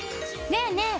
ねえねえ